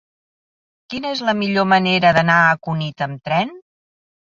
Quina és la millor manera d'anar a Cunit amb tren?